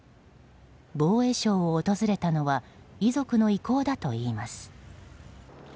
防衛省を訪れたのは遺族の意向だといいます。